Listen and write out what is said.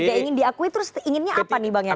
tidak ingin diakui terus inginnya apa nih bang ya